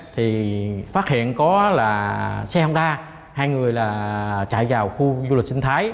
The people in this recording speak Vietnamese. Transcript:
thì phát hiện có là xe hông đa hai người là chạy vào khu du lịch sinh thái